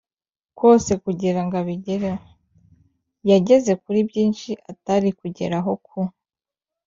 kose kugira ngo abigereho. Yageze kuri byinshi atari kuzageraho ku